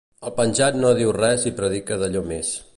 El penjat no diu res i predica d'allò més.